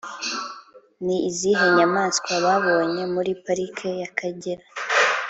ni izihe nyamaswa babonye muri pariki y’akagera?